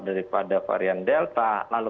daripada varian delta lalu